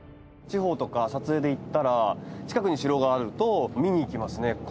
地方とか撮影で行ったら近くに城があると見に行きますね。